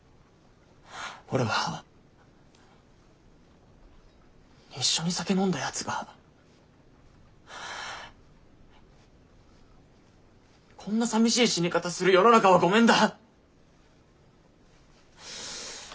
俺は一緒に酒飲んだやつがこんなさみしい死に方する世の中はごめんだ。